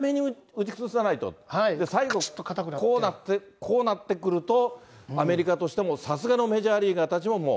そうなったときに早めに打ち崩さないと、最後こうなって、こうなってくると、アメリカとしてもさすがのメジャーリーガーたちも。